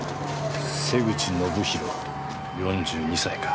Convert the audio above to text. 瀬口信大４２歳か。